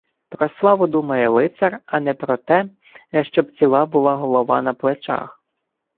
Про славу думає лицар, а не про те, щоб ціла була голова на плечах.